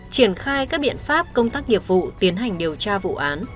triển khai các biện pháp công tác nghiệp vụ tiến hành điều tra vụ án